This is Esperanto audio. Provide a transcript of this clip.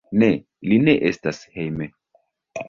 Ne, li ne estas hejme.